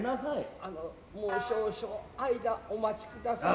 あのもう少々間お待ちください。